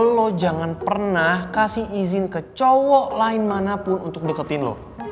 lo jangan pernah kasih izin ke cowok lain manapun untuk deketin loh